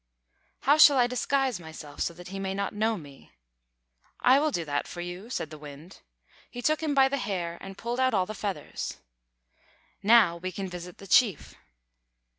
"How shall I disguise myself so that he may not know me?" "I will do that for you," said the Wind. He took him by the hair, and pulled out all the feathers. "Now we can visit the chief."